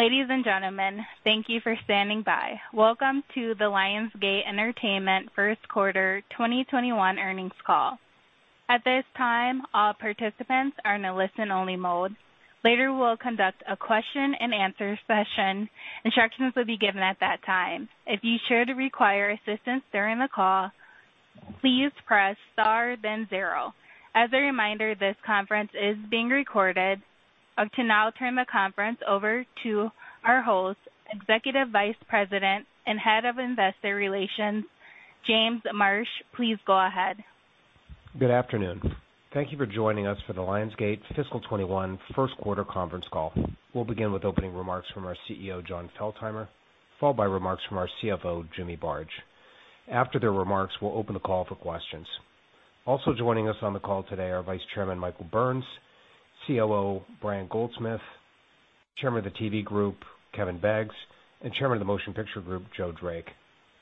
Ladies and gentlemen, thank you for standing by. Welcome to the Lionsgate Entertainment first quarter 2021 earnings call. I'll to now turn the conference over to our host, Executive Vice President and Head of Investor Relations, James Marsh. Please go ahead. Good afternoon. Thank you for joining us for the Lionsgate fiscal 2021 first quarter conference call. We'll begin with opening remarks from our CEO, Jon Feltheimer, followed by remarks from our CFO, Jimmy Barge. After their remarks, we'll open the call for questions. Joining us on the call today are Vice Chairman Michael Burns, COO Brian Goldsmith, Chairman of the Television Group Kevin Beggs, and Chairman of the Motion Picture Group Joe Drake.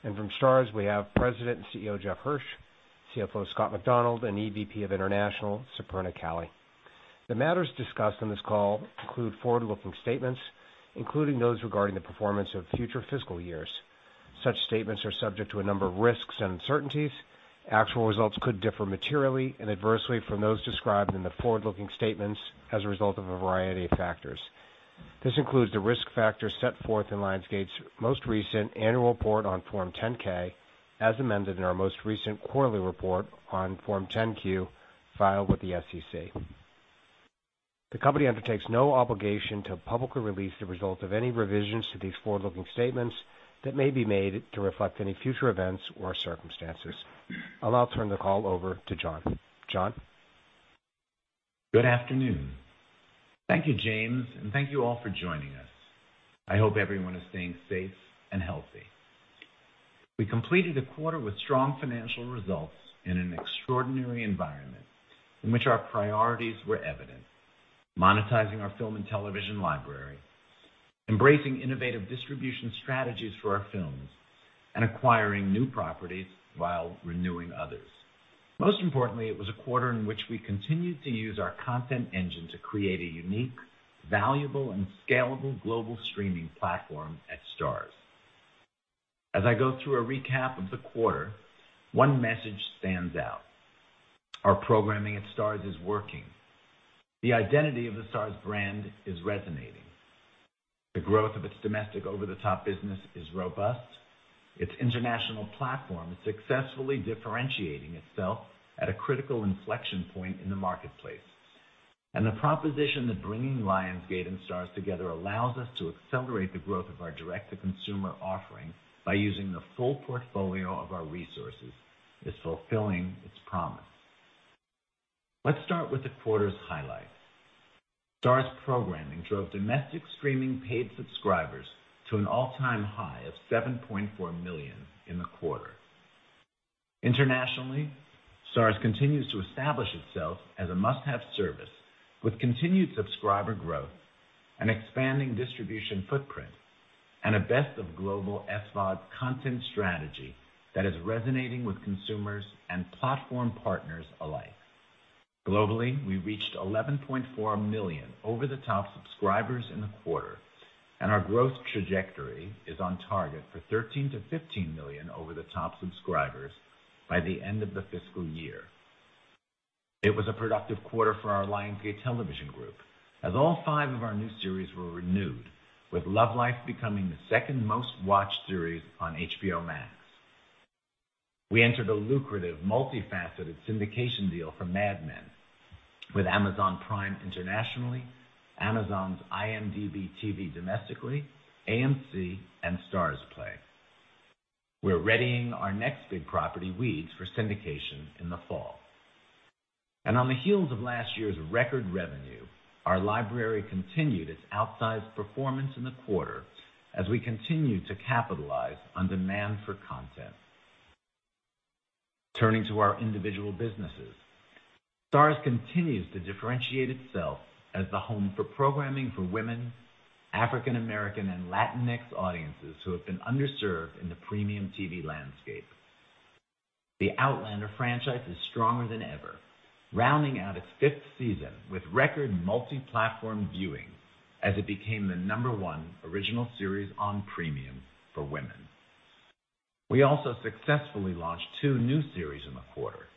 From Starz, we have President and CEO Jeff Hirsch, CFO Scott MacDonald, and EVP of International Superna Kalle. The matters discussed on this call include forward-looking statements, including those regarding the performance of future fiscal years. Such statements are subject to a number of risks and uncertainties. Actual results could differ materially and adversely from those described in the forward-looking statements as a result of a variety of factors. This includes the risk factors set forth in Lionsgate's most recent annual report on Form 10-K as amended in our most recent quarterly report on Form 10-Q filed with the SEC. The company undertakes no obligation to publicly release the results of any revisions to these forward-looking statements that may be made to reflect any future events or circumstances. I'll now turn the call over to Jon. Jon? Good afternoon. Thank you, James, and thank you all for joining us. I hope everyone is staying safe and healthy. We completed a quarter with strong financial results in an extraordinary environment in which our priorities were evident: monetizing our film and television library, embracing innovative distribution strategies for our films, and acquiring new properties while renewing others. Most importantly, it was a quarter in which we continued to use our content engine to create a unique, valuable, and scalable global streaming platform at Starz. As I go through a recap of the quarter, one message stands out. Our programming at Starz is working. The identity of the Starz brand is resonating. The growth of its domestic over-the-top business is robust. Its international platform is successfully differentiating itself at a critical inflection point in the marketplace. The proposition that bringing Lionsgate and Starz together allows us to accelerate the growth of our direct-to-consumer offering by using the full portfolio of our resources is fulfilling its promise. Let's start with the quarter's highlights. Starz programming drove domestic streaming paid subscribers to an all-time high of 7.4 million in the quarter. Internationally, Starz continues to establish itself as a must-have service with continued subscriber growth, an expanding distribution footprint, and a best of global SVOD content strategy that is resonating with consumers and platform partners alike. Globally, we reached 11.4 million over-the-top subscribers in the quarter, and our growth trajectory is on target for 13 to 15 million over-the-top subscribers by the end of the fiscal year. It was a productive quarter for our Lionsgate Television group, as all five of our new series were renewed, with "Love Life" becoming the second-most-watched series on HBO Max. We entered a lucrative, multifaceted syndication deal for "Mad Men" with Amazon Prime internationally, Amazon's IMDb TV domestically, AMC, and STARZPLAY. We're readying our next big property, "Weeds," for syndication in the fall. On the heels of last year's record revenue, our library continued its outsized performance in the quarter as we continued to capitalize on demand for content. Turning to our individual businesses, Starz continues to differentiate itself as the home for programming for women, African American, and Latinx audiences who have been underserved in the premium TV landscape. The "Outlander" franchise is stronger than ever, rounding out its fifth season with record multi-platform viewing as it became the number one original series on premium for women. We also successfully launched two new series in the quarter.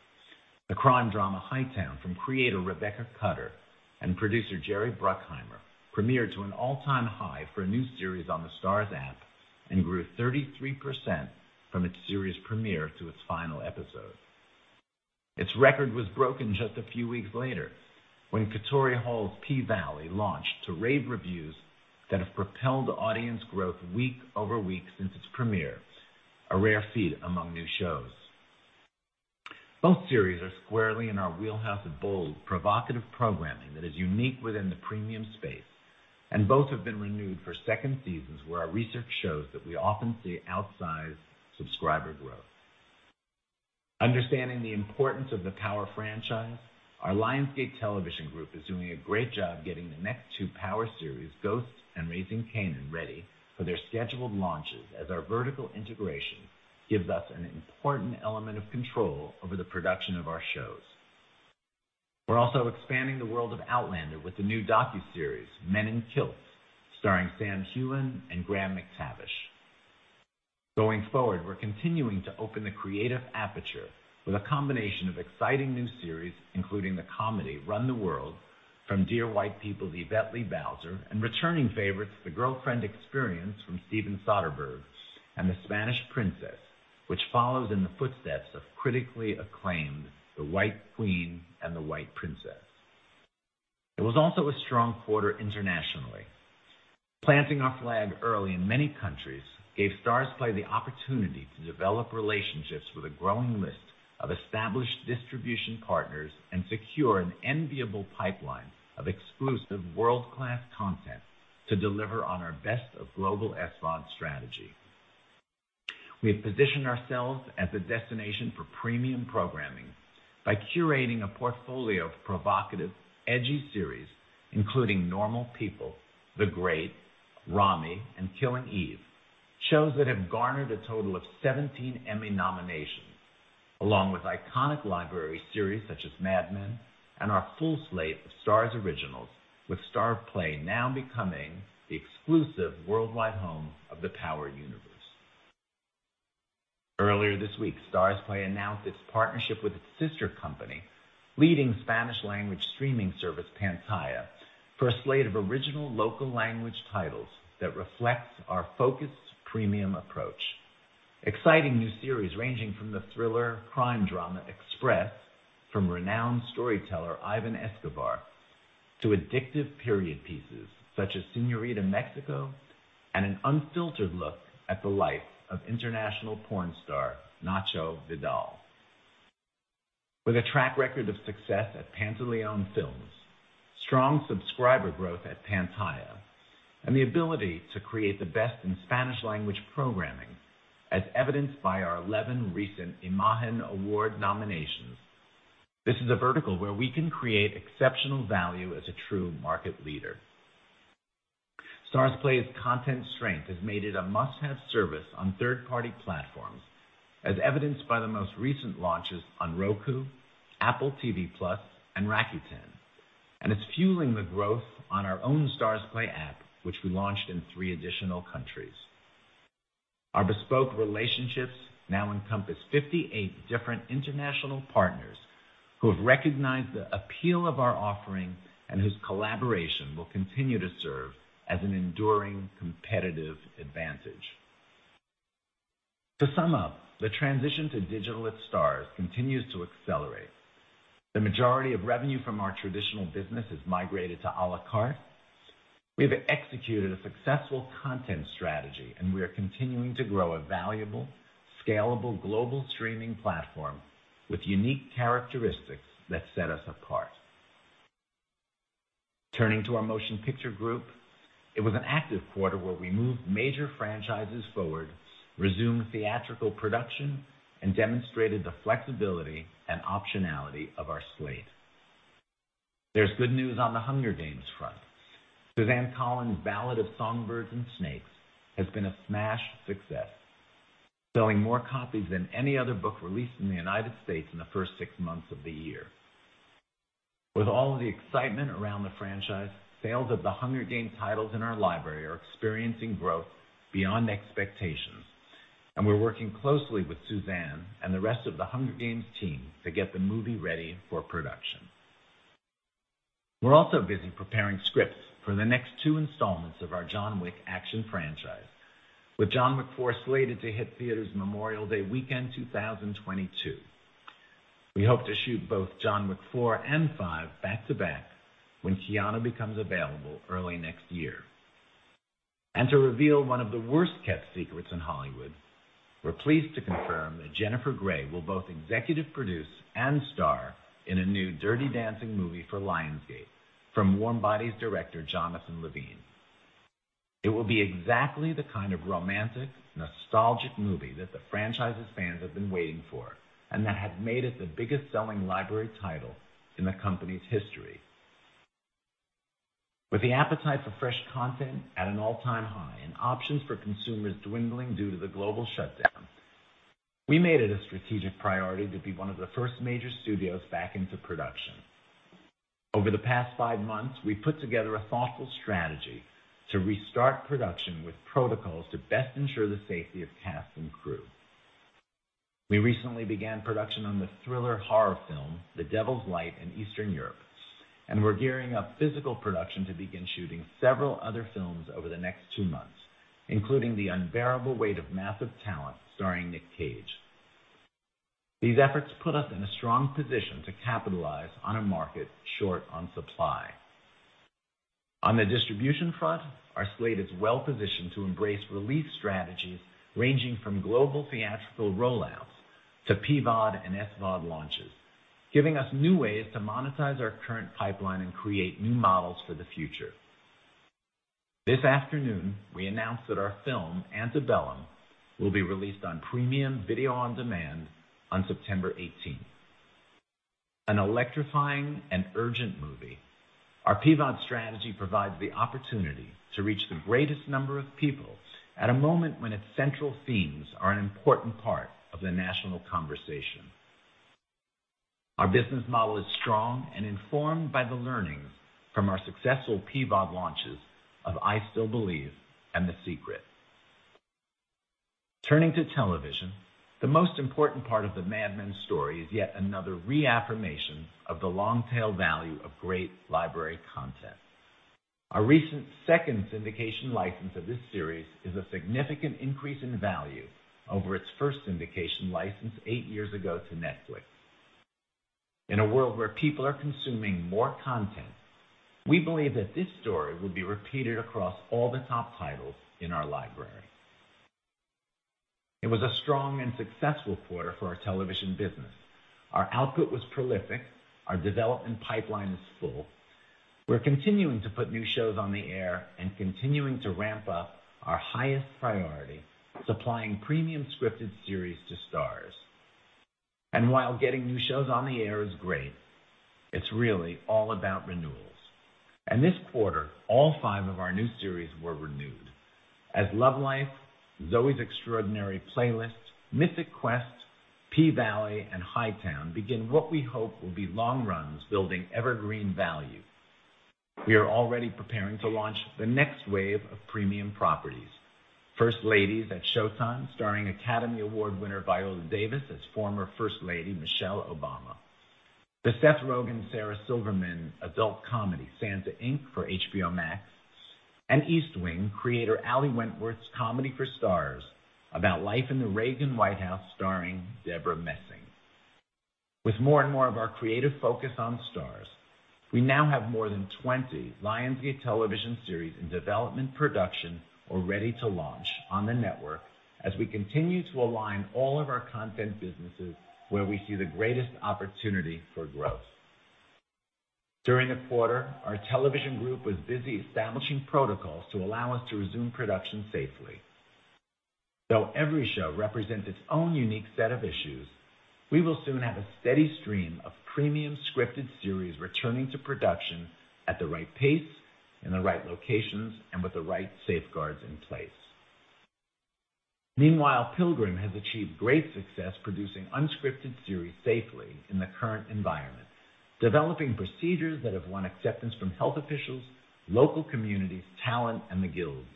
The crime drama "Hightown" from creator Rebecca Cutter and producer Jerry Bruckheimer premiered to an all-time high for a new series on the Starz app and grew 33% from its series premiere to its final episode. Its record was broken just a few weeks later when Katori Hall's "P-Valley" launched to rave reviews that have propelled audience growth week over week since its premiere, a rare feat among new shows. Both series are squarely in our wheelhouse of bold, provocative programming that is unique within the premium space, and both have been renewed for second seasons where our research shows that we often see outsized subscriber growth. Understanding the importance of the "Power" franchise, our Lionsgate Television group is doing a great job getting the next two "Power" series, "Ghost" and "Raising Kanan," ready for their scheduled launches as our vertical integration gives us an important element of control over the production of our shows. We're also expanding the world of "Outlander" with the new docuseries, "Men in Kilts," starring Sam Heughan and Graham McTavish. Going forward, we're continuing to open the creative aperture with a combination of exciting new series, including the comedy "Run the World" from "Dear White People's" Yvette Lee Bowser, and returning favorites, "The Girlfriend Experience" from Steven Soderbergh, and "The Spanish Princess," which follows in the footsteps of critically acclaimed "The White Queen" and "The White Princess." It was also a strong quarter internationally. Planting our flag early in many countries gave STARZPLAY the opportunity to develop relationships with a growing list of established distribution partners and secure an enviable pipeline of exclusive world-class content to deliver on our best of global SVOD strategy. We have positioned ourselves as a destination for premium programming by curating a portfolio of provocative, edgy series, including "Normal People," "The Great," "Ramy," and "Killing Eve," shows that have garnered a total of 17 Emmy nominations, along with iconic library series such as "Mad Men" and our full slate of Starz originals, with STARZPLAY now becoming the exclusive worldwide home of the Power Universe. Earlier this week, STARZPLAY announced its partnership with its sister company, leading Spanish language streaming service, Pantaya, for a slate of original local language titles that reflects our focused premium approach. Exciting new series ranging from the thriller crime drama "Express" from renowned storyteller Iván Escobar to addictive period pieces such as "Señorita México" and an unfiltered look at the life of international porn star Nacho Vidal. With a track record of success at Pantelion Films, strong subscriber growth at Pantaya, and the ability to create the best in Spanish language programming, as evidenced by our 11 recent Imagen Awards nominations, this is a vertical where we can create exceptional value as a true market leader. STARZPLAY's content strength has made it a must-have service on third-party platforms, as evidenced by the most recent launches on Roku, Apple TV+, and Rakuten. It's fueling the growth on our own STARZPLAY app, which we launched in three additional countries. Our bespoke relationships now encompass 58 different international partners who have recognized the appeal of our offering and whose collaboration will continue to serve as an enduring competitive advantage. To sum up, the transition to digital at Starz continues to accelerate. The majority of revenue from our traditional business has migrated to a la carte. We have executed a successful content strategy, and we are continuing to grow a valuable, scalable global streaming platform with unique characteristics that set us apart. Turning to our Motion Picture Group, it was an active quarter where we moved major franchises forward, resumed theatrical production, and demonstrated the flexibility and optionality of our slate. There's good news on the Hunger Games front. Suzanne Collins' Ballad of Songbirds and Snakes has been a smash success, selling more copies than any other book released in the United States in the first six months of the year. With all of the excitement around the franchise, sales of the "Hunger Games" titles in our library are experiencing growth beyond expectations, and we're working closely with Suzanne and the rest of the "Hunger Games" team to get the movie ready for production. We're also busy preparing scripts for the next two installments of our "John Wick" action franchise, with "John Wick 4" slated to hit theaters Memorial Day weekend 2022. We hope to shoot both "John Wick 4" and "5" back to back when Keanu becomes available early next year. To reveal one of the worst-kept secrets in Hollywood, we're pleased to confirm that Jennifer Grey will both executive produce and star in a new "Dirty Dancing" movie for Lionsgate from "Warm Bodies" director Jonathan Levine. It will be exactly the kind of romantic, nostalgic movie that the franchise's fans have been waiting for and that has made it the biggest-selling library title in the company's history. With the appetite for fresh content at an all-time high and options for consumers dwindling due to the global shutdown, we made it a strategic priority to be one of the first major studios back into production. Over the past five months, we've put together a thoughtful strategy to restart production with protocols to best ensure the safety of cast and crew. We recently began production on the thriller horror film, "The Devil's Light" in Eastern Europe, and we're gearing up physical production to begin shooting several other films over the next two months, including "The Unbearable Weight of Massive Talent" starring Nick Cage. These efforts put us in a strong position to capitalize on a market short on supply. On the distribution front, our slate is well positioned to embrace release strategies ranging from global theatrical rollouts to PVOD and SVOD launches, giving us new ways to monetize our current pipeline and create new models for the future. This afternoon, we announced that our film, "Antebellum," will be released on premium video-on-demand on September 18th. An electrifying and urgent movie. Our PVOD strategy provides the opportunity to reach the greatest number of people at a moment when its central themes are an important part of the national conversation. Our business model is strong and informed by the learnings from our successful PVOD launches of "I Still Believe" and "The Secret." Turning to television, the most important part of the "Mad Men" story is yet another reaffirmation of the long-tail value of great library content. Our recent second syndication license of this series is a significant increase in value over its first syndication license eight years ago to Netflix. In a world where people are consuming more content, we believe that this story will be repeated across all the top titles in our library. It was a strong and successful quarter for our television business. Our output was prolific. Our development pipeline is full. We're continuing to put new shows on the air and continuing to ramp up our highest priority, supplying premium scripted series to Starz. While getting new shows on the air is great, it's really all about renewals. This quarter, all five of our new series were renewed as Love Life, Zoey's Extraordinary Playlist, Mythic Quest, P-Valley, and Hightown begin what we hope will be long runs building evergreen value. We are already preparing to launch the next wave of premium properties. The First Lady that Showtime starring Academy Award winner Viola Davis as former First Lady Michelle Obama, the Seth Rogen-Sarah Silverman adult comedy Santa Inc. for HBO Max, and East Wing, creator Ali Wentworth's comedy for Starz about life in the Reagan White House starring Debra Messing. With more and more of our creative focus on Starz, we now have more than 20 Lionsgate Television series in development, production, or ready to launch on the network as we continue to align all of our content businesses where we see the greatest opportunity for growth. During the quarter, our Television Group was busy establishing protocols to allow us to resume production safely. Though every show represents its own unique set of issues, we will soon have a steady stream of premium scripted series returning to production at the right pace, in the right locations, and with the right safeguards in place. Meanwhile, Pilgrim has achieved great success producing unscripted series safely in the current environment, developing procedures that have won acceptance from health officials, local communities, talent, and the guilds.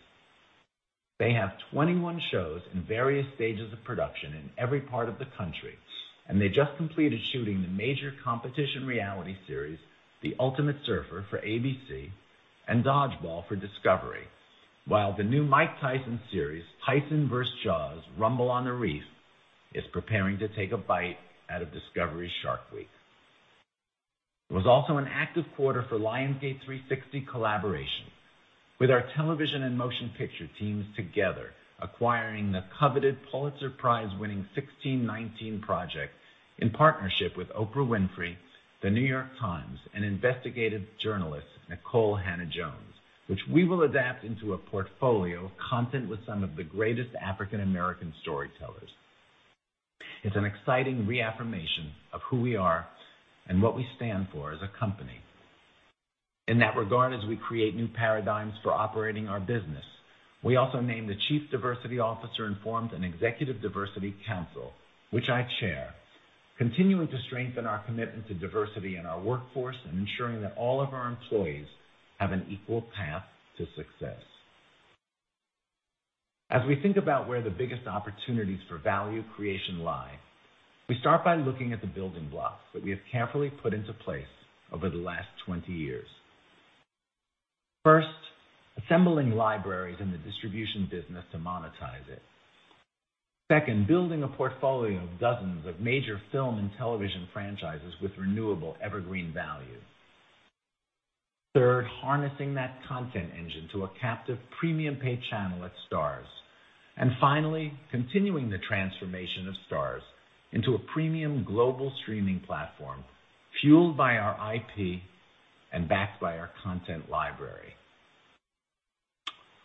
They have 21 shows in various stages of production in every part of the country, and they just completed shooting the major competition reality series, "The Ultimate Surfer" for ABC and "Dodgeball" for Discovery. While the new Mike Tyson series, "Tyson vs. Jaws: Rumble on the Reef," is preparing to take a bite out of Discovery's Shark Week. It was also an active quarter for Lionsgate 360 collaboration with our television and motion picture teams together, acquiring the coveted Pulitzer Prize-winning The 1619 Project in partnership with Oprah Winfrey, The New York Times, and investigative journalist Nikole Hannah-Jones, which we will adapt into a portfolio of content with some of the greatest African American storytellers. It's an exciting reaffirmation of who we are and what we stand for as a company. In that regard, as we create new paradigms for operating our business, we also named the chief diversity officer and formed an executive diversity council, which I chair, continuing to strengthen our commitment to diversity in our workforce and ensuring that all of our employees have an equal path to success. As we think about where the biggest opportunities for value creation lie, we start by looking at the building blocks that we have carefully put into place over the last 20 years. First, assembling libraries in the distribution business to monetize it. Second, building a portfolio of dozens of major film and television franchises with renewable evergreen value. Finally, continuing the transformation of Starz into a premium global streaming platform fueled by our IP and backed by our content library.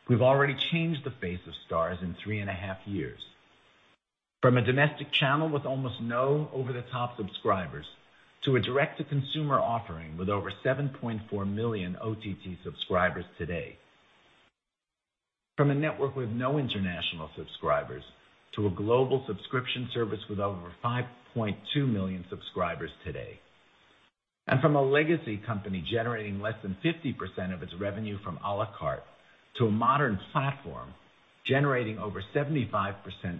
We've already changed the face of Starz in three and a half years. From a domestic channel with almost no over-the-top subscribers to a direct-to-consumer offering with over 7.4 million OTT subscribers today. From a network with no international subscribers to a global subscription service with over 5.2 million subscribers today. From a legacy company generating less than 50% of its revenue from à la carte to a modern platform generating over 75%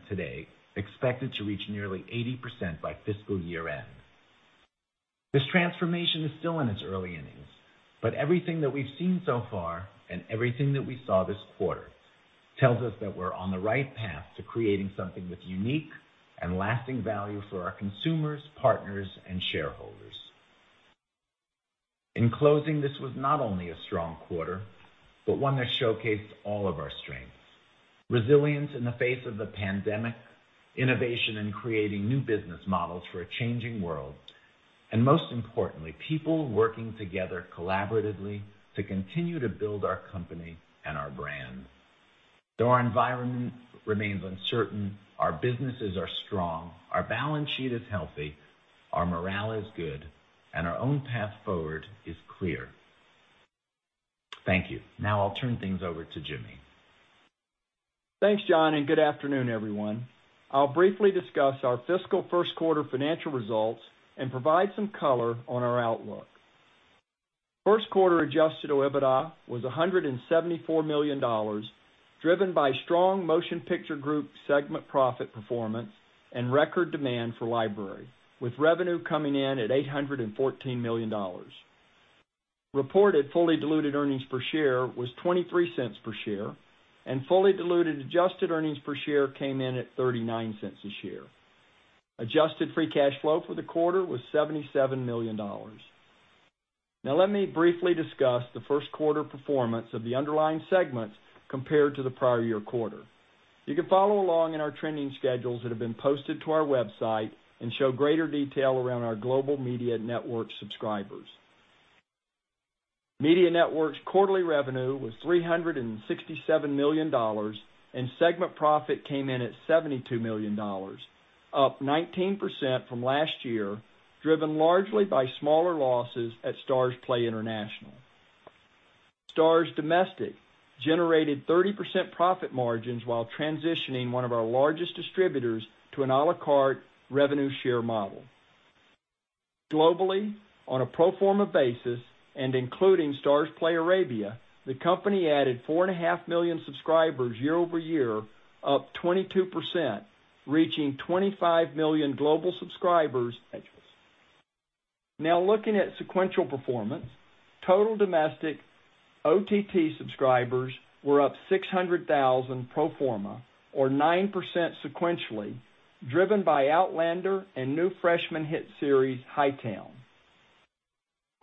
today, expected to reach nearly 80% by fiscal year-end. This transformation is still in its early innings, but everything that we've seen so far and everything that we saw this quarter tells us that we're on the right path to creating something with unique and lasting value for our consumers, partners, and shareholders. In closing, this was not only a strong quarter, but one that showcased all of our strengths, resilience in the face of the pandemic, innovation in creating new business models for a changing world, and most importantly, people working together collaboratively to continue to build our company and our brand. Though our environment remains uncertain, our businesses are strong, our balance sheet is healthy, our morale is good, and our own path forward is clear. Thank you. Now I'll turn things over to Jimmy. Thanks, Jon, good afternoon, everyone. I'll briefly discuss our fiscal first quarter financial results and provide some color on our outlook. First quarter adjusted OIBDA was $174 million, driven by strong Motion Picture Group segment profit performance and record demand for library, with revenue coming in at $814 million. Reported fully diluted earnings per share was $0.23 per share, and fully diluted adjusted earnings per share came in at $0.39 a share. Adjusted free cash flow for the quarter was $77 million. Now let me briefly discuss the first quarter performance of the underlying segments compared to the prior year quarter. You can follow along in our trending schedules that have been posted to our website and show greater detail around our global media network subscribers. Media Networks' quarterly revenue was $367 million, segment profit came in at $72 million, up 19% from last year, driven largely by smaller losses at STARZPLAY International. STARZ domestic generated 30% profit margins while transitioning one of our largest distributors to an a la carte revenue share model. Globally, on a pro forma basis, including STARZPLAY Arabia, the company added 4.5 million subscribers year-over-year, up 22%, reaching 25 million global subscribers. Looking at sequential performance, total domestic OTT subscribers were up 600,000 pro forma, or 9% sequentially, driven by "Outlander" and new freshman hit series, "Hightown."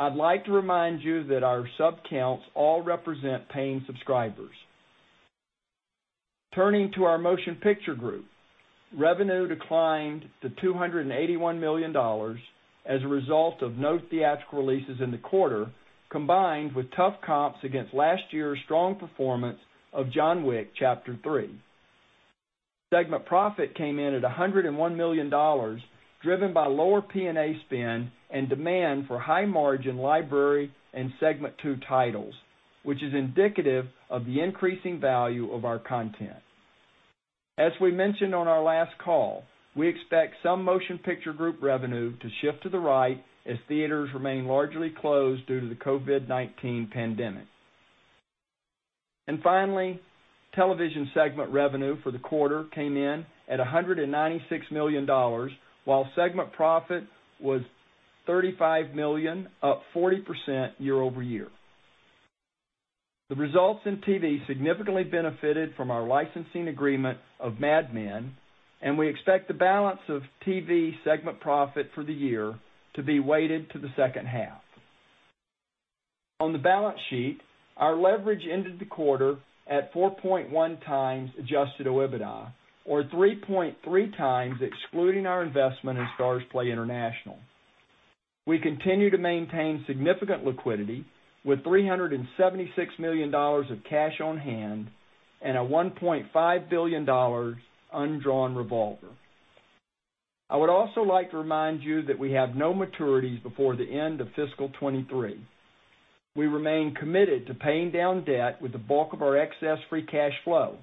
I'd like to remind you that our sub counts all represent paying subscribers. Turning to our Motion Picture Group, revenue declined to $281 million as a result of no theatrical releases in the quarter, combined with tough comps against last year's strong performance of "John Wick: Chapter 3." Segment profit came in at $101 million, driven by lower P&A spend and demand for high-margin library and Segment Two titles, which is indicative of the increasing value of our content. As we mentioned on our last call, we expect some Motion Picture Group revenue to shift to the right as theaters remain largely closed due to the COVID-19 pandemic. Finally, Television segment revenue for the quarter came in at $196 million, while segment profit was $35 million, up 40% year-over-year. The results in TV significantly benefited from our licensing agreement of "Mad Men." We expect the balance of TV segment profit for the year to be weighted to the second half. On the balance sheet, our leverage ended the quarter at 4.1 times adjusted OIBDA or 3.3 times excluding our investment in STARZPLAY International. We continue to maintain significant liquidity with $376 million of cash on hand and a $1.5 billion undrawn revolver. I would also like to remind you that we have no maturities before the end of fiscal 2023. We remain committed to paying down debt with the bulk of our excess free cash flow.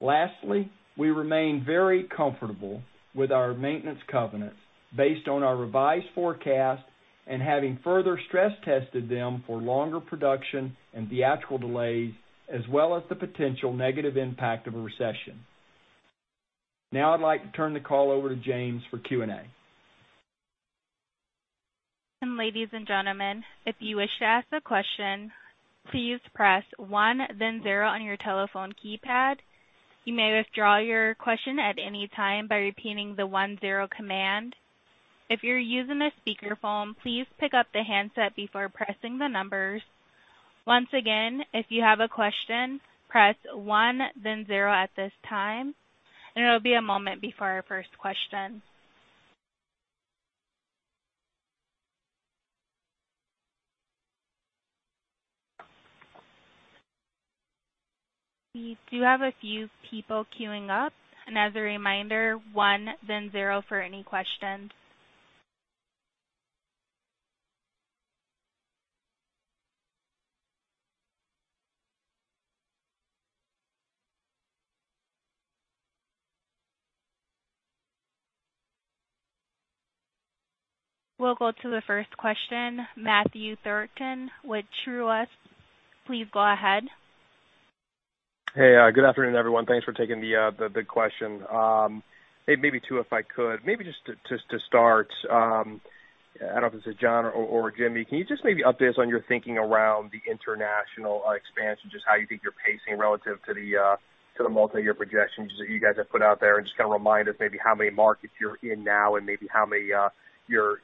We remain very comfortable with our maintenance covenants based on our revised forecast and having further stress tested them for longer production and theatrical delays, as well as the potential negative impact of a recession. Now I'd like to turn the call over to James for Q&A. Ladies and gentlemen, if you wish to ask a question, please press one then zero on your telephone keypad. You may withdraw your question at any time by repeating the one-zero command. If you're using a speakerphone, please pick up the handset before pressing the numbers. Once again, if you have a question, press one then zero at this time. It'll be a moment before our first question. We do have a few people queuing up, and as a reminder, one then zero for any questions. We'll go to the first question, Matthew Thornton with Truist. Please go ahead. Hey, good afternoon, everyone. Thanks for taking the questions. Maybe two if I could. Maybe just to start, I don't know if this is Jon or Jimmy, can you just maybe update us on your thinking around the international expansion, just how you think you're pacing relative to the multi-year projections that you guys have put out there, and just remind us maybe how many markets you're in now and maybe how many you're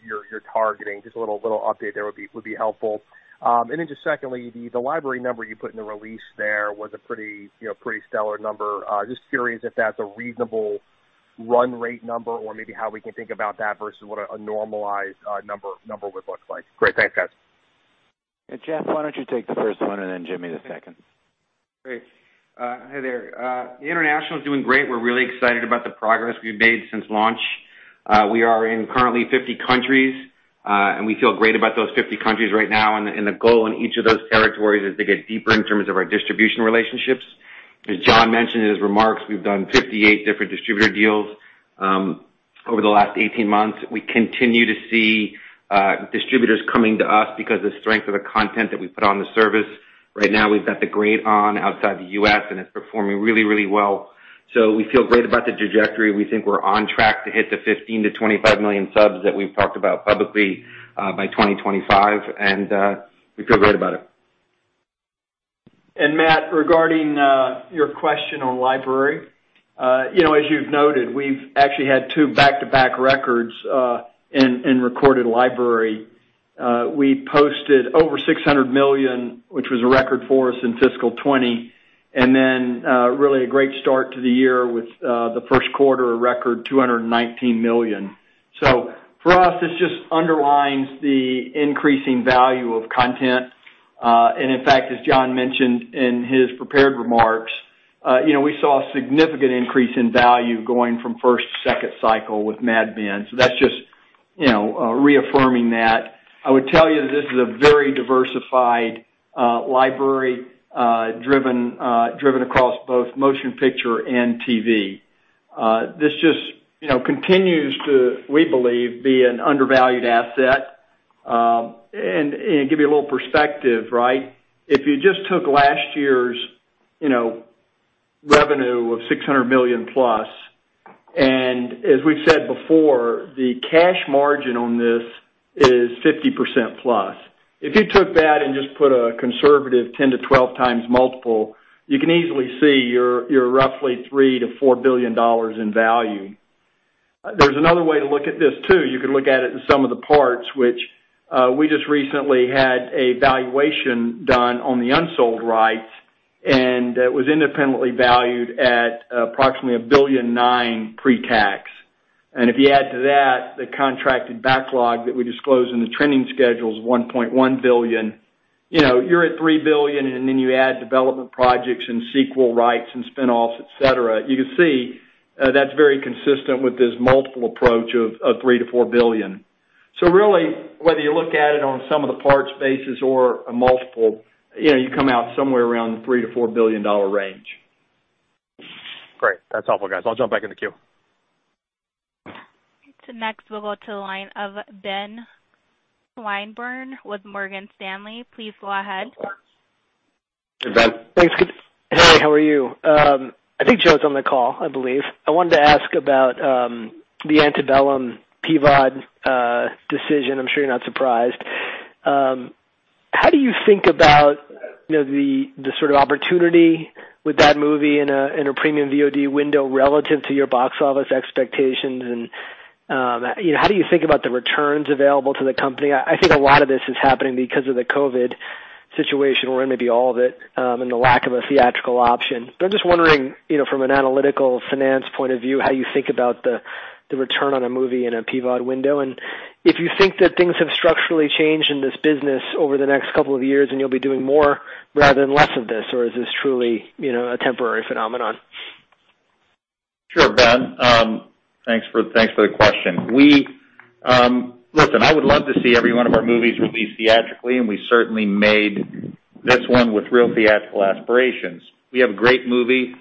targeting? Just a little update there would be helpful. Just secondly, the library number you put in the release there was a pretty stellar number. Just curious if that's a reasonable run rate number or maybe how we can think about that versus what a normalized number would look like? Great. Thanks, guys. Jeff, why don't you take the first one and then Jimmy the second? Great. Hi there. International is doing great. We're really excited about the progress we've made since launch. We are in currently 50 countries, and we feel great about those 50 countries right now, and the goal in each of those territories is to get deeper in terms of our distribution relationships. As Jon mentioned in his remarks, we've done 58 different distributor deals over the last 18 months. We continue to see distributors coming to us because of the strength of the content that we put on the service. Right now, we've got "The Great" on outside the U.S., and it's performing really well. We feel great about the trajectory. We think we're on track to hit the 15 million-25 million subs that we've talked about publicly by 2025. We feel great about it. Matt, regarding your question on library. As you've noted, we've actually had two back-to-back records in recorded library. We posted over $600 million, which was a record for us in fiscal 2020, and then really a great start to the year with the first quarter, a record $219 million. For us, this just underlines the increasing value of content. In fact, as Jon mentioned in his prepared remarks, we saw a significant increase in value going from first to second cycle with "Mad Men." That's just reaffirming that. I would tell you this is a very diversified library driven across both Motion Picture and TV. This just continues to, we believe, be an undervalued asset. To give you a little perspective. If you just took last year's revenue of $600 million-plus, and as we've said before, the cash margin on this is 50%-plus. If you took that and just put a conservative 10x-12x multiple, you can easily see you're roughly $3 billion-$4 billion in value. There's another way to look at this too. You could look at it in some of the parts which we just recently had a valuation done on the unsold rights, and it was independently valued at approximately $1.9 billion pre-tax. If you add to that, the contracted backlog that we disclose in the trending schedule is $1.1 billion. You're at $3 billion, then you add development projects and sequel rights and spin-offs, et cetera. You can see that's very consistent with this multiple approach of $3 billion-$4 billion. Really, whether you look at it on a some of the parts basis or a multiple, you come out somewhere around the $3 billion-$4 billion range. Great. That's helpful, guys. I'll jump back in the queue. Next, we'll go to the line of Ben Swinburne with Morgan Stanley. Please go ahead. Hey, Ben. Thanks. Hey, how are you? I think Joe's on the call, I believe. I wanted to ask about the Antebellum PVOD decision. I'm sure you're not surprised. How do you think about the sort of opportunity with that movie in a premium VOD window relative to your box office expectations, and how do you think about the returns available to the company? I think a lot of this is happening because of the COVID situation, or maybe all of it, and the lack of a theatrical option. I'm just wondering from an analytical finance point of view, how you think about the return on a movie in a PVOD window. If you think that things have structurally changed in this business over the next couple of years and you'll be doing more rather than less of this, or is this truly a temporary phenomenon? Sure, Ben. Thanks for the question. Listen, I would love to see every one of our movies released theatrically, and we certainly made this one with real theatrical aspirations. We have a great movie.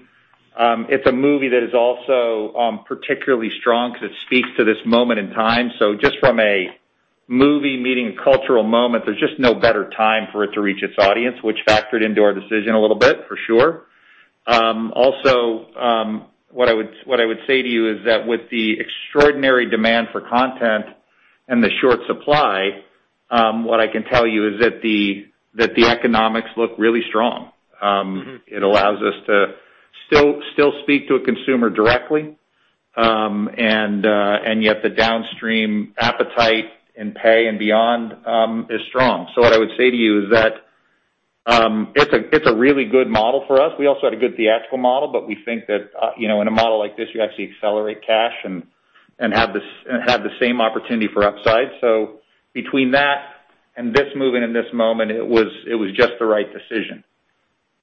It's a movie that is also particularly strong because it speaks to this moment in time. Just from a movie meeting a cultural moment, there's just no better time for it to reach its audience, which factored into our decision a little bit, for sure. Also, what I would say to you is that with the extraordinary demand for content and the short supply, what I can tell you is that the economics look really strong. It allows us to still speak to a consumer directly, yet the downstream appetite in pay and beyond is strong. What I would say to you is that it's a really good model for us. We also had a good theatrical model, we think that in a model like this, you actually accelerate cash and have the same opportunity for upside. Between that and this movie and in this moment, it was just the right decision.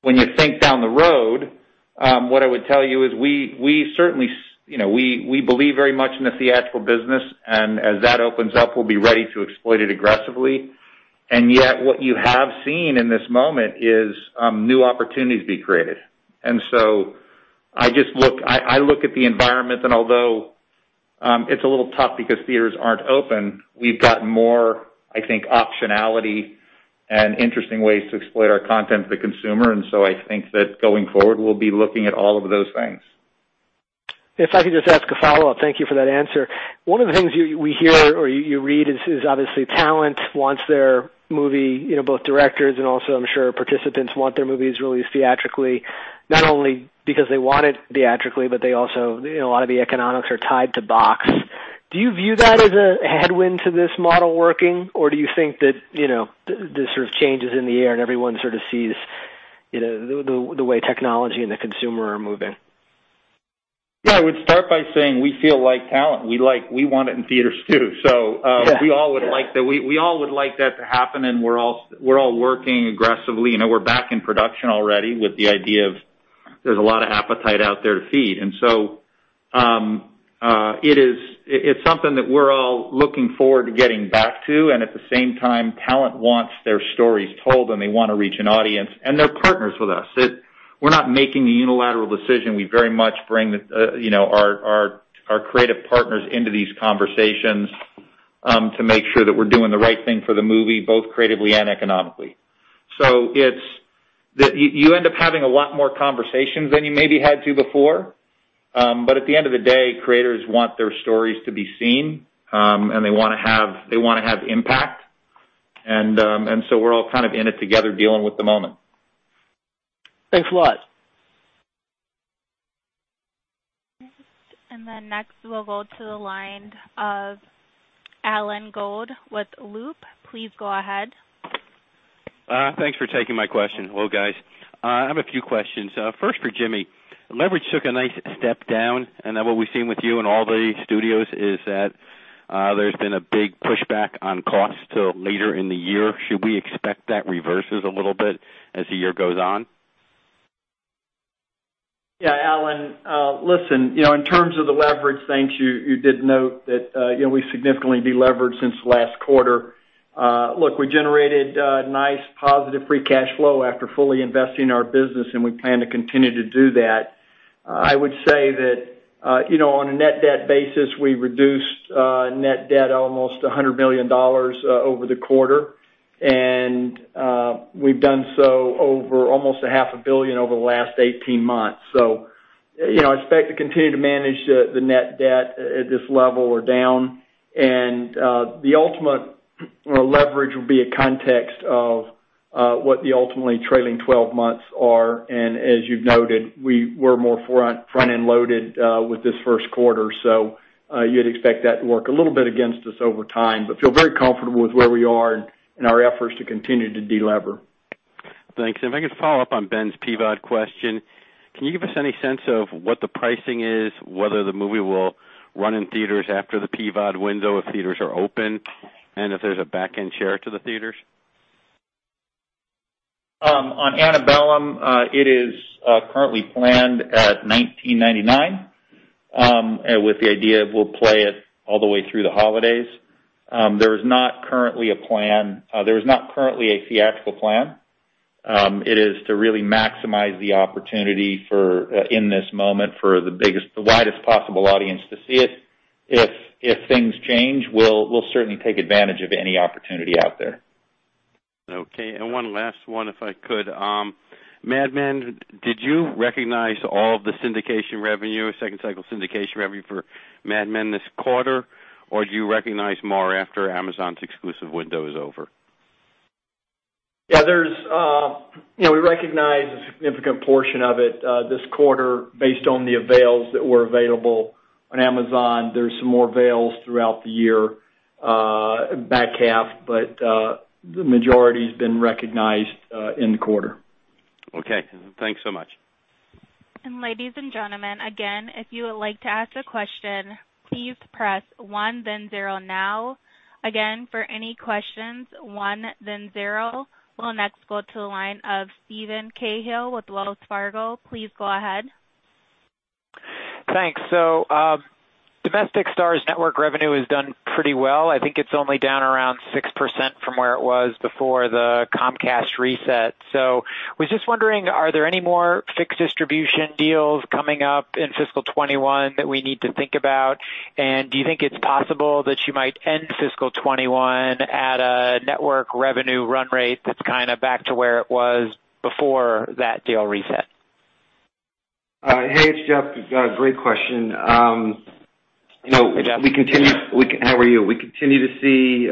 When you think down the road, what I would tell you is we believe very much in the theatrical business, as that opens up, we'll be ready to exploit it aggressively. Yet what you have seen in this moment is new opportunities being created. I look at the environment and although it's a little tough because theaters aren't open, we've got more, I think, optionality and interesting ways to exploit our content to the consumer. I think that going forward, we'll be looking at all of those things. If I could just ask a follow-up. Thank you for that answer. One of the things we hear or you read is obviously talent wants their movie, both directors and also I'm sure participants want their movies released theatrically, not only because they want it theatrically, but also a lot of the economics are tied to box. Do you view that as a headwind to this model working, or do you think that this sort of change is in the air and everyone sort of sees the way technology and the consumer are moving? Yeah, I would start by saying we feel like talent. We want it in theaters, too. Yeah. We all would like that to happen. We're all working aggressively. We're back in production already with the idea of there's a lot of appetite out there to feed. It's something that we're all looking forward to getting back to, and at the same time, talent wants their stories told, and they want to reach an audience, and they're partners with us. We're not making a unilateral decision. We very much bring our creative partners into these conversations to make sure that we're doing the right thing for the movie, both creatively and economically. You end up having a lot more conversations than you maybe had to before. At the end of the day, creators want their stories to be seen, and they want to have impact. We're all kind of in it together, dealing with the moment. Thanks a lot. Then next, we'll go to the line of Alan Gould with Loop. Please go ahead. Thanks for taking my question. Hello, guys. I have a few questions. First for Jimmy. Leverage took a nice step down, and then what we've seen with you and all the studios is that there's been a big pushback on costs till later in the year. Should we expect that reverses a little bit as the year goes on? Alan, listen, in terms of the leverage, thanks. You did note that we significantly delevered since last quarter. Look, we generated a nice positive free cash flow after fully investing in our business, and we plan to continue to do that. I would say that on a net debt basis, we reduced net debt almost $100 million over the quarter. We've done so over almost a half a billion over the last 18 months. Expect to continue to manage the net debt at this level or down. The ultimate leverage will be a context of what the ultimately trailing 12 months are. As you've noted, we were more front-end loaded with this first quarter. You'd expect that to work a little bit against us over time, but feel very comfortable with where we are in our efforts to continue to delever. Thanks. If I could follow up on Ben's PVOD question. Can you give us any sense of what the pricing is, whether the movie will run in theaters after the PVOD window if theaters are open, and if there's a back end share to the theaters? On "Antebellum," it is currently planned at $19.99, with the idea of we'll play it all the way through the holidays. There is not currently a theatrical plan. It is to really maximize the opportunity in this moment for the biggest, the widest possible audience to see it. If things change, we'll certainly take advantage of any opportunity out there. Okay. One last one if I could. "Mad Men," did you recognize all of the syndication revenue, second cycle syndication revenue for "Mad Men" this quarter, or do you recognize more after Amazon's exclusive window is over? Yeah. We recognized a significant portion of it this quarter based on the avails that were available on Amazon. There is some more avails throughout the year, back half, but the majority has been recognized in the quarter. Okay. Thanks so much. ladies and gentlemen, again, if you would like to ask a question, please press one then zero now. Again, for any questions, one then zero. We'll next go to the line of Steven Cahall with Wells Fargo. Please go ahead. Thanks. Domestic Starz network revenue has done pretty well. I think it's only down around 6% from where it was before the Comcast reset. I was just wondering, are there any more fixed distribution deals coming up in fiscal 2021 that we need to think about? Do you think it's possible that you might end fiscal 2021 at a network revenue run rate that's kind of back to where it was before that deal reset? Hey, it's Jeff. Great question. Hey, Jeff. How are you? We continue to see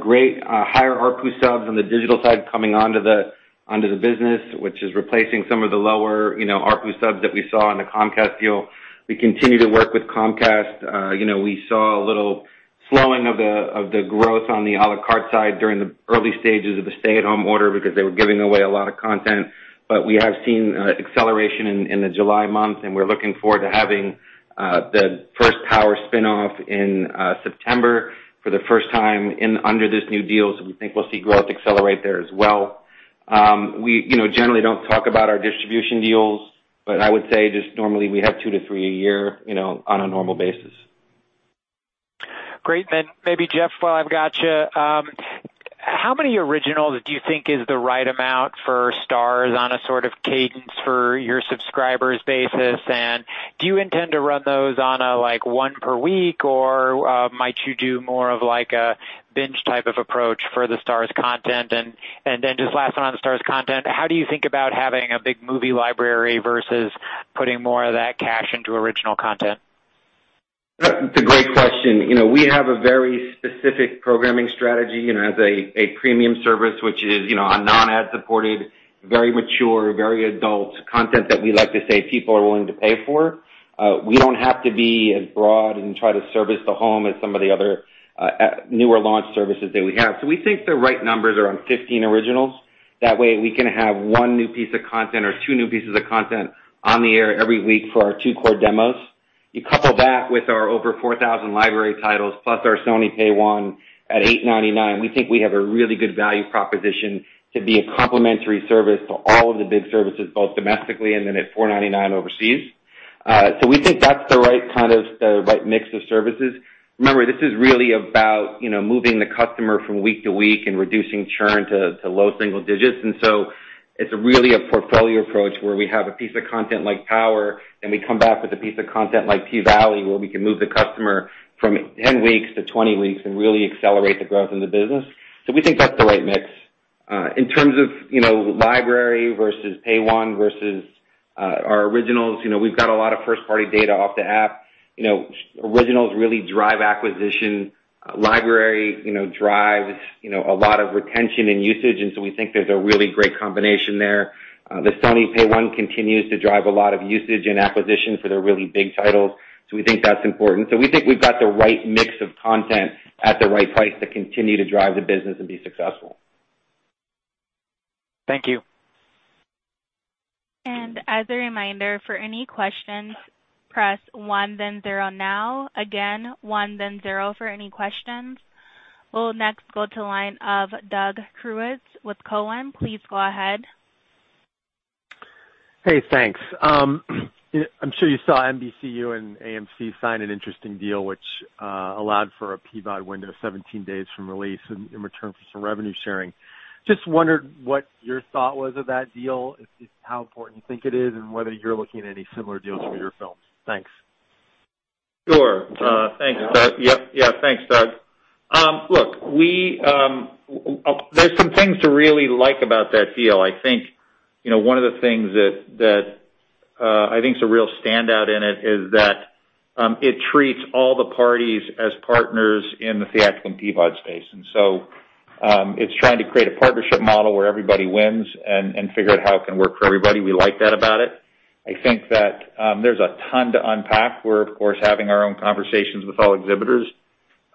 great higher ARPU subs on the digital side coming onto the business, which is replacing some of the lower ARPU subs that we saw in the Comcast deal. We continue to work with Comcast. We saw a little slowing of the growth on the a la carte side during the early stages of the stay-at-home order because they were giving away a lot of content. We have seen acceleration in the July month, and we're looking forward to having the first Power spin-off in September for the first time under this new deal. We think we'll see growth accelerate there as well. We generally don't talk about our distribution deals, I would say just normally we have two to three a year on a normal basis. Maybe Jeff, while I've got you, how many originals do you think is the right amount for Starz on a sort of cadence for your subscribers basis? Do you intend to run those on a one per week or might you do more of a binge type of approach for the Starz content? Just last one on the Starz content. How do you think about having a big movie library versus putting more of that cash into original content? That's a great question. We have a very specific programming strategy as a premium service, which is a non-ad supported, very mature, very adult content that we like to say people are willing to pay for. We don't have to be as broad and try to service the home as some of the other newer launch services that we have. We think the right numbers are around 15 originals. That way we can have one new piece of content or two new pieces of content on the air every week for our two core demos. You couple that with our over 4,000 library titles, plus our Sony Pay 1 at $8.99, we think we have a really good value proposition to be a complementary service to all of the big services, both domestically and then at $4.99 overseas. We think that's the right mix of services. This is really about moving the customer from week to week and reducing churn to low single digits. It's really a portfolio approach where we have a piece of content like "Power" and we come back with a piece of content like "P-Valley," where we can move the customer from 10 weeks to 20 weeks and really accelerate the growth in the business. We think that's the right mix. In terms of library versus Pay 1 versus our originals, we've got a lot of first-party data off the app. Originals really drive acquisition. Library drives a lot of retention and usage, we think there's a really great combination there. The Sony Pay 1 continues to drive a lot of usage and acquisition for their really big titles. We think that's important. We think we've got the right mix of content at the right price to continue to drive the business and be successful. Thank you. As a reminder, for any questions, press one then zero now. Again, one then zero for any questions. We'll next go to the line of Doug Creutz with Cowen. Please go ahead. Hey, thanks. I'm sure you saw NBCU and AMC sign an interesting deal which allowed for a PVOD window 17 days from release in return for some revenue sharing. Just wondered what your thought was of that deal, how important you think it is, and whether you're looking at any similar deals for your films. Thanks. Sure. Thanks, Doug. Look, there's some things to really like about that deal. I think, one of the things that I think is a real standout in it is that it treats all the parties as partners in the theatrical and PVOD space. It's trying to create a partnership model where everybody wins and figure out how it can work for everybody. We like that about it. I think that there's a ton to unpack. We're, of course, having our own conversations with all exhibitors,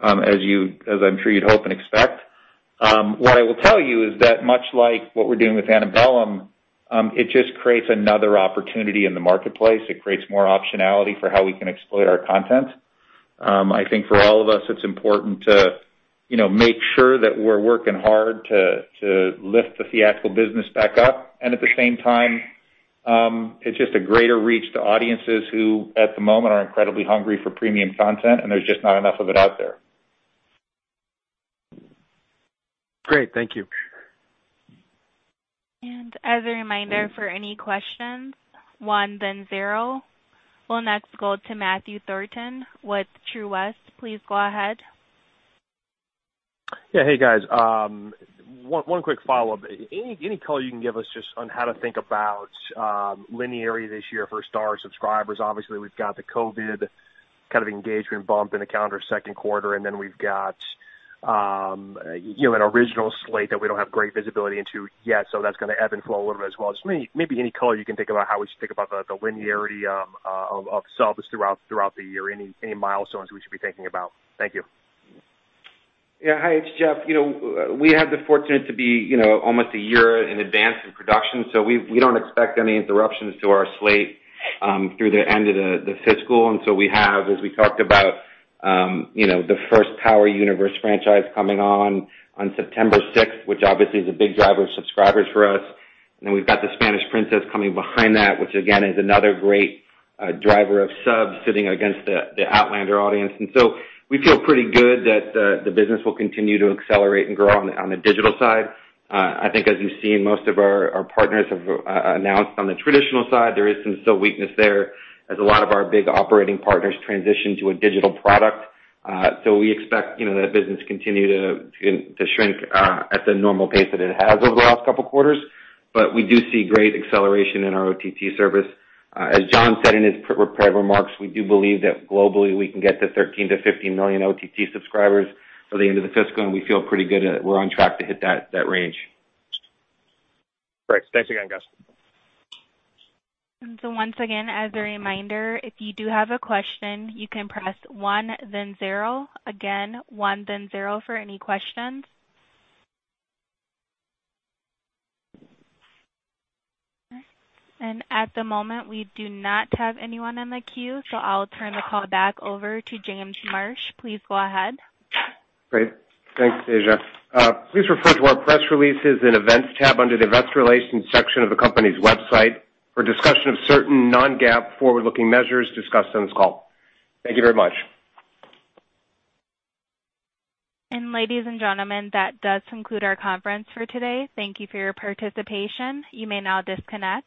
as I'm sure you'd hope and expect. What I will tell you is that much like what we're doing with "Antebellum," it just creates another opportunity in the marketplace. It creates more optionality for how we can exploit our content. I think for all of us, it's important to make sure that we're working hard to lift the theatrical business back up. At the same time, it's just a greater reach to audiences who at the moment are incredibly hungry for premium content, and there's just not enough of it out there. Great. Thank you. We'll next go to Matthew Thornton with Truist. Please go ahead. Yeah. Hey, guys. One quick follow-up. Any color you can give us just on how to think about linearity this year for Starz subscribers? Obviously, we've got the COVID kind of engagement bump in the calendar second quarter, and then we've got an original slate that we don't have great visibility into yet. That's going to ebb and flow a little bit as well. Maybe any color you can think about how we should think about the linearity of subs throughout the year, any milestones we should be thinking about. Thank you. Yeah. Hi, it's Jeff. We have the fortunate to be almost a year in advance in production, so we don't expect any interruptions to our slate through the end of the fiscal. We have, as we talked about, the first Power Universe franchise coming on September 6th, which obviously is a big driver of subscribers for us. Then we've got "The Spanish Princess" coming behind that, which again is another great driver of subs sitting against the "Outlander" audience. We feel pretty good that the business will continue to accelerate and grow on the digital side. I think as you've seen, most of our partners have announced on the traditional side, there is some still weakness there as a lot of our big operating partners transition to a digital product. We expect that business to continue to shrink at the normal pace that it has over the last couple of quarters. We do see great acceleration in our OTT service. As Jon said in his prepared remarks, we do believe that globally we can get to 13 million-15 million OTT subscribers by the end of the fiscal, and we feel pretty good that we're on track to hit that range. Great. Thanks again, guys. Once again, as a reminder, if you do have a question, you can press one then zero. Again, one then zero for any questions. At the moment, we do not have anyone in the queue, so I'll turn the call back over to James Marsh. Please go ahead. Great. Thanks, Asia. Please refer to our press releases and events tab under the investor relations section of the company's website for a discussion of certain non-GAAP forward-looking measures discussed on this call. Thank you very much. Ladies and gentlemen, that does conclude our conference for today. Thank you for your participation. You may now disconnect.